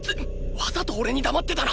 わざとおれに黙ってたな！